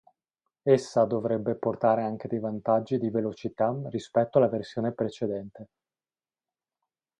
Essa dovrebbe portare anche dei vantaggi di velocità rispetto alla versione precedente.